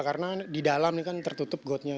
karena di dalam ini kan tertutup godnya